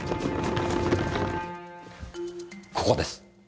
ここです。